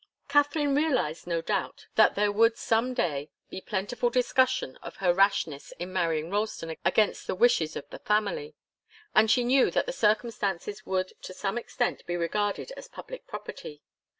Katharine realized, no doubt, that there would some day be plentiful discussion of her rashness in marrying Ralston against the wishes of the family, and she knew that the circumstances would to some extent be regarded as public property.